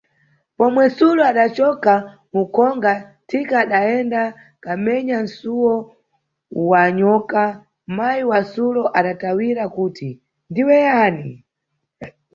Pomwe sulo adacoka mukhonga, thika adayenda kamenya suwo wakhonga, mayi wa sulo adatawira kuti: diwe yani?